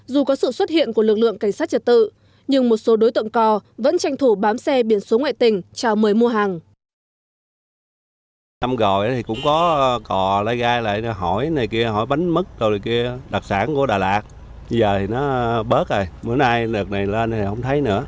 dù có sự xuất hiện của lực lượng cảnh sát trật tự nhưng một số đối tượng co vẫn tranh thủ bám xe biển số ngoại tình chào mời mua hàng